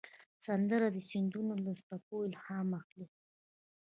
سندره د سیندونو له څپو الهام اخلي